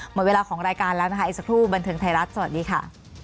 หมดเวลาของรายการแล้วนะคะอีกสักครู่บันเทิงไทยรัฐสวัสดีค่ะ